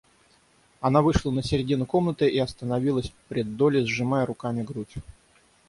Она вышла на середину комнаты и остановилась пред Долли, сжимая руками грудь.